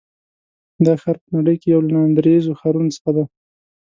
دا ښار په نړۍ کې یو له ناندرییزو ښارونو څخه دی.